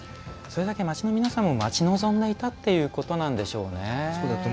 それだけ、町の皆さんも待ち望んでいたということなんですね。